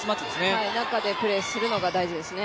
その中でプレーするのが大事ですね。